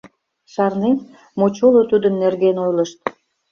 Шарнет, мочоло тудын нерген ойлышт.